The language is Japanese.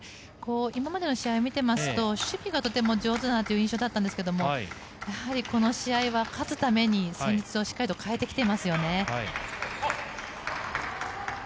今までの試合を見ていますと守備がとても上手だなという印象だったんですけれどもこの試合は勝つために戦術をしっかりと変えてきていますよね。